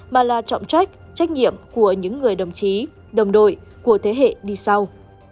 đó cũng là trọng trách trách nhiệm của những người đồng chí đồng đội của thế hệ đi sau